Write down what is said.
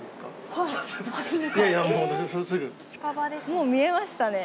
もう見えましたね。